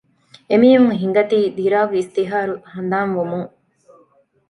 އެމީހުން ހީނގަތީ ދިރާގް އިސްތިހާރު ހަނދާން ވުމުން